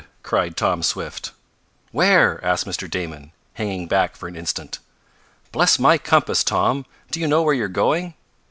cried Tom Swift. "Where?" asked Mr Damon, hanging back for an instant. "Bless my compass, Tom! do you know where you're going?"